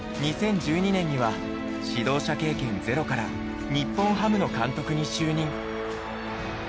２０１２年には指導者経験ゼロから日本ハムの監督に就任。